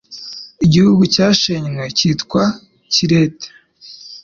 igihugu cyashenywe cyitwa Kirete